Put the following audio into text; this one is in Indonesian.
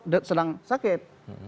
kapan juga belakangan